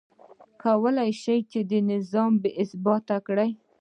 کولای یې شول چې نظام بې ثباته کړي.